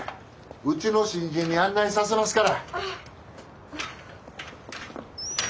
うちの新人に案内させますから。